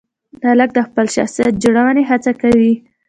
هلک د خپل شخصیت جوړونې هڅه کوي.